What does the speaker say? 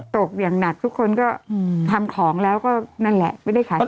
ตกอย่างหนักทุกคนก็ทำของแล้วก็นั่นแหละไม่ได้ขายของ